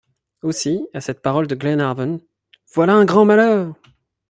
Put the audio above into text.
Aussi, à cette parole de Glenarvan: « Voilà un grand malheur!